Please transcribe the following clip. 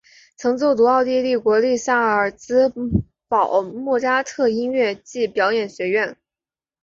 曾就读奥地利国立萨尔兹堡莫札特音乐暨表演艺术大学。